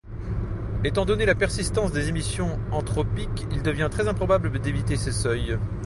Étant donné la persistance des émissions anthropiques, il devient très improbable d'éviter ce seuil.